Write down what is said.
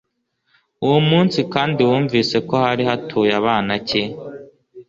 uwo munsi kandi wumvise ko hari hatuye abanaki